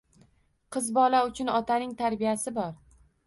Qiz bola uchun otaning tarbiyasi bor.